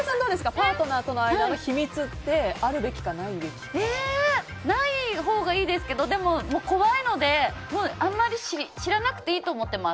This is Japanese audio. パートナーとの間にないほうがいいですけどでも怖いので、あまり知らなくていいと思ってます。